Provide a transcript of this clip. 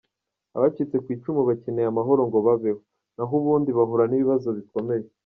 Abacitse ku icumu bakeneye amahoro ngo babeho, na ho ubundi bahura n’ibibazo bikomeye.